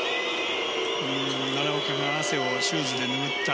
奈良岡が汗をシューズで拭った。